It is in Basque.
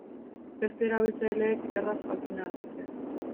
Beste erabiltzaileek erraz jakin ahal dute.